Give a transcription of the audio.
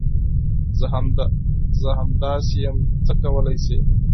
زه همداسي یم ، څه کولی شې ؟